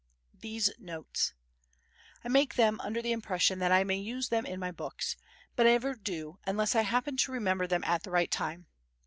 These Notes I make them under the impression that I may use them in my books, but I never do unless I happen to remember them at the right time.